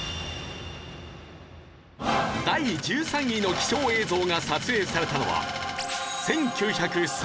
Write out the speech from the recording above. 第１３位の貴重映像が撮影されたのは。